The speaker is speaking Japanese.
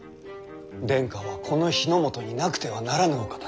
殿下はこの日ノ本になくてはならぬお方。